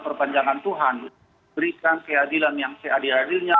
perpanjangan tuhan berikan keadilan yang seadil adilnya